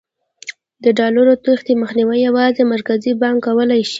د ډالرو تېښتې مخنیوی یوازې مرکزي بانک کولای شي.